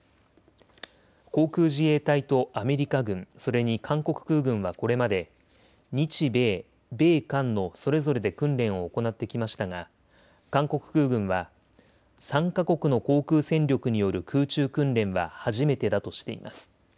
航空自衛隊とアメリカ軍、それに韓国空軍はこれまで日米、米韓のそれぞれで訓練を行ってきましたが、韓国軍は３か国の航空戦力による空中訓練は初めてだとしています。